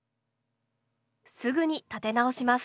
すぐに立て直します。